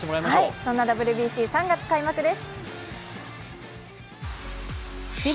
そんなＷＢＣ、３月開幕です。